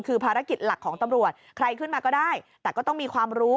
คือภารกิจหลักของตำรวจใครขึ้นมาก็ได้แต่ก็ต้องมีความรู้